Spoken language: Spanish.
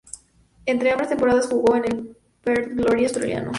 Entre ambas temporadas jugó en el Perth Glory australiano.